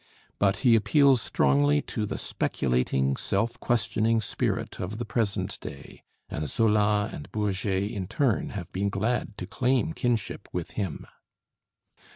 But he appeals strongly to the speculating, self questioning spirit of the present day, and Zola and Bourget in turn have been glad to claim kinship with him.